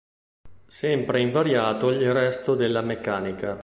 Sempre invariato il resto della meccanica.